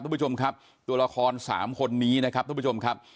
คุณผู้ชมครับตัวละคร๓คนนี้นะครับทุกผู้ชมครับ